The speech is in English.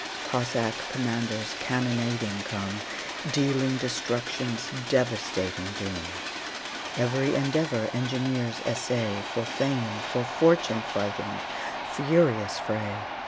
Cossack commanders cannonading come, Dealing destruction's devastating doom. Every endeavor engineers essay, For fame, for fortune fighting furious fray!